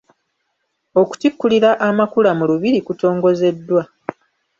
Okutikkulira amakula mu lubiri kutongozeddwa.